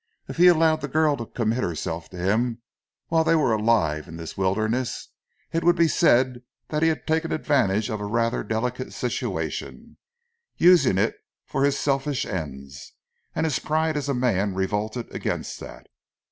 If he allowed the girl to commit herself to him whilst they were alive in the wilderness, it would be said that he had taken advantage of a rather delicate situation using it for his selfish ends, and his pride as a man revolted against that.